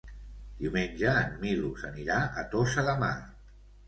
Diumenge en Milos anirà a Tossa de Mar.